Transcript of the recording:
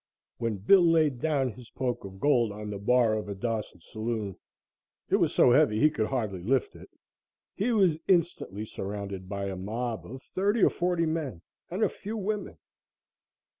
When Bill laid down his poke of gold on the bar of a Dawson saloon it was so heavy he could hardly lift it he was instantly surrounded by a mob of thirty or forty men and a few women.